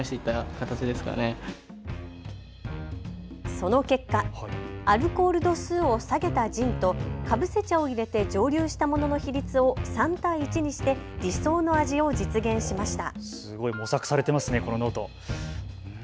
その結果、アルコール度数を下げたジンとかぶせ茶を入れて蒸留したものの比率を３対１にして理想の味を実現しました。